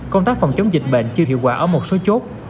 công tác phòng chống dịch bệnh chưa hiệu quả ở một số chốt